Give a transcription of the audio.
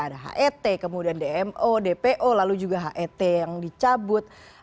ada het kemudian dmo dpo lalu juga het yang dicabut